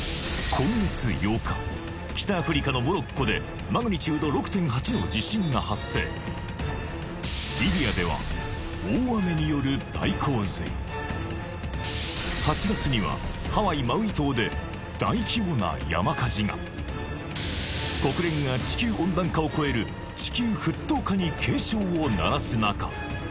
今月８日北アフリカのモロッコでマグニチュード６．８の地震が発生リビアでは大雨による大洪水８月にはハワイ・マウイ島で大規模な山火事が国連が地球温暖化を超える地球沸騰化に警鐘を鳴らす中